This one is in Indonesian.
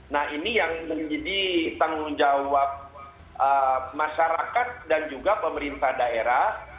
nah ini yang menjadi tanggung jawab masyarakat dan juga pemerintah daerah